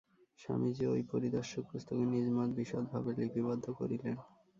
স্বামীজীও ঐ পরিদর্শক-পুস্তকে নিজ মত বিশদভাবে লিপিবদ্ধ করিলেন।